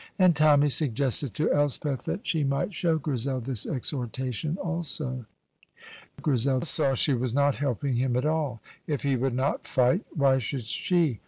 And Tommy suggested to Elspeth that she might show Grizel this exhortation also. Grizel saw she was not helping him at all. If he would not fight, why should she?